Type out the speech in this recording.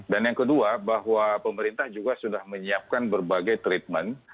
yang kedua bahwa pemerintah juga sudah menyiapkan berbagai treatment